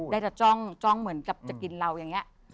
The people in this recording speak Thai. ได้แต่จ้องเหมือนกับจะกินเราอย่างนี้